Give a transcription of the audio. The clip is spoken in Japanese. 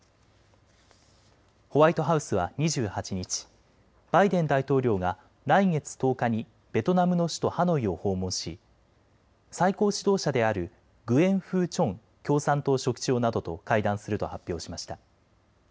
ホワイトハウスは２８日、バイデン大統領が来月１０日にベトナムの首都ハノイを訪問し、最高指導者であるグエン・フー・チョン共産党書記長などと会談すると発表しました。